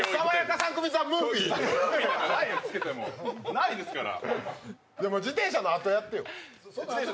ないですから。